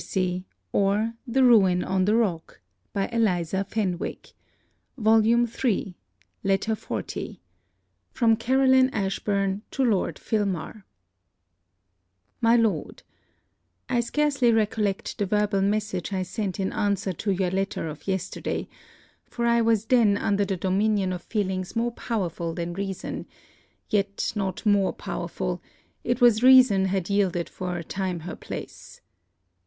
I remain, Sir, your sincere well wisher, CAROLINE ASHBURN LETTER XL FROM CAROLINE ASHBURN TO LORD FILMAR My Lord, I scarcely recollect the verbal message I sent in answer to your letter of yesterday; for I was then under the dominion of feelings more powerful than reason yet not more powerful; it was reason had yielded for a time her place.